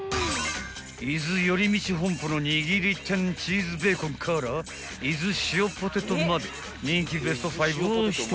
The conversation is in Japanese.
［伊豆よりみち本舗のにぎり天チーズベーコンから伊豆塩ポテトまで人気ベスト５を独り占め］